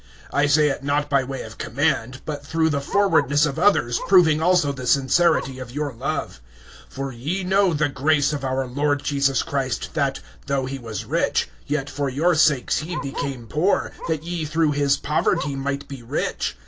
(8)I say it not by way of command, but through the forwardness of others proving also the sincerity of your love. (9)For ye know the grace of our Lord Jesus Christ, that, though he was rich, yet for your sakes he became poor, that ye through his poverty might be rich.